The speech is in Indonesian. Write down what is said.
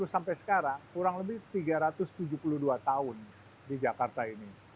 seribu enam ratus lima puluh sampai sekarang kurang lebih tiga ratus tujuh puluh dua tahun di jakarta ini